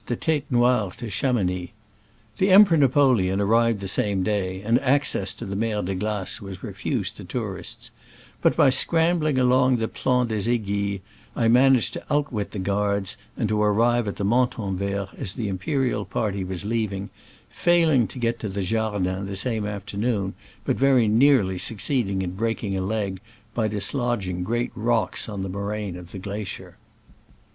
15 the Tete Noir to Chamounix, The Em peror Napoleon arrived the same day, and access to the Mer de Glace was refused to tourists ; but, by scrambling along the Plan des Aiguilles, I managed to outwit the guards, and to arrive at the Montanvert as the imperial party was leaving, failing to get to the Jardin the same afternoon, but very nearly succeeding in breaking a leg by dis lodging great rocks on the moraine of the glacier.